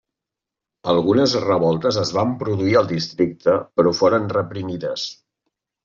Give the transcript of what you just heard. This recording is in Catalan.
Algunes revoltes es van produir al districte però foren reprimides.